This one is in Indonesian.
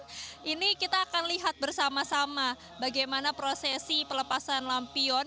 nah ini kita akan lihat bersama sama bagaimana prosesi pelepasan lampion